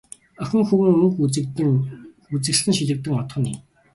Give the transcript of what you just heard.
Охин хөвүүн өнгө үзэгдэн, үзэсгэлэн шилэгдэн одох нь энэ.